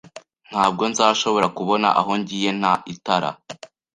Ntabwo nzashobora kubona aho ngiye nta itara